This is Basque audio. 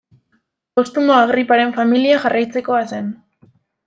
Postumo Agriparen familia jarraitzekoa zen.